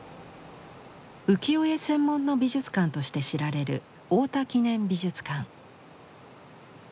浮世絵専門の美術館として知られる太田記念美術館。